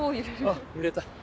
あっ揺れた。